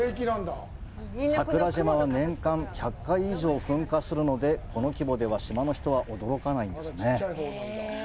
桜島は年間１００回以上噴火するので、この規模では島の人は驚かないんですね。